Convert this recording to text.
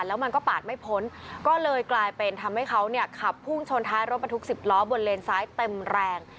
แล้วมันก็ปาดไม่พ้นก็เลยกลายเป็นทำให้เขาเนี่ยขับพุ่งชนท้ายรถบรรทุก๑๐ล้อบนเลนซ้ายเต็มแรง